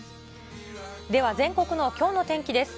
では全国のきょうの天気です。